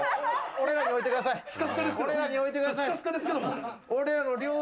俺らにおいてください。